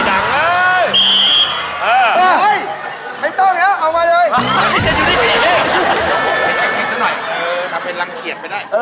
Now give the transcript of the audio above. เฮ้ยไม่ต้องเอามาเลย